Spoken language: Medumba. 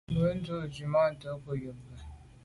Mbwôg ndù kà nzwimàntô ghom yube.